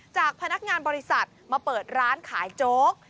จากพนักงานบริษัทมาเปิดร้านขายโจ๊ก